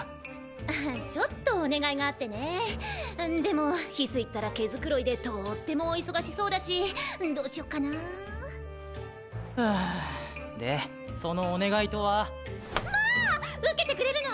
あちょっとお願いがあってねでも翡翠ったら毛づくろいでとってもお忙しそうだしどうしよっかなはぁでそのお願いとはまぁ！受けてくれるの！